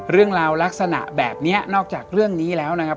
เรื่องราวลักษณะแบบนี้นอกจากเรื่องนี้แล้วนะครับ